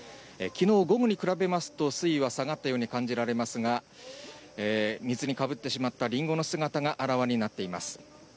昨日午後に比べますと、水位は下がったように感じられますが、水をかぶってしまったりんごの姿があらわになっています。